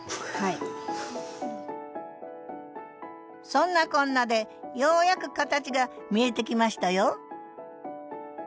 そんなこんなでようやく形が見えてきましたよ